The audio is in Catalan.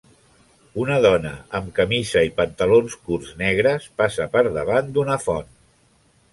Una dona amb camisa i pantalons curts negres passa per davant d'una font.